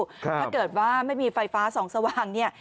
ถ้าเกิดว่าไม่มีไฟฟ้าส่องสว่างเนี่ย